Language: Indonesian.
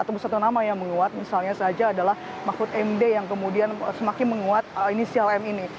atau satu nama yang menguat misalnya saja adalah mahfud md yang kemudian semakin menguat inisial m ini